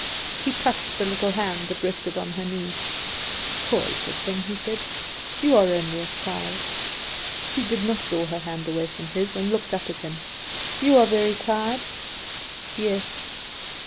He touched one little hand that rested on her knee. "Poor little thing!" he said; "you are only a child." She did not draw her hand away from his, and looked up at him. "You are very tired?" "Yes."